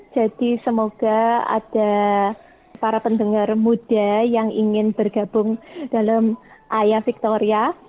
jadi semoga ada para pendengar muda yang ingin bergabung dalam aya victoria